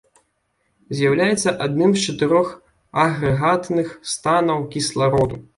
З'яўляецца адным з чатырох агрэгатных станаў кіслароду.